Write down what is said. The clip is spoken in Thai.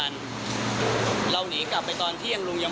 แต่ถ้าอยากจะตีเขาก็ไม่ได้อย่างนี้หรอก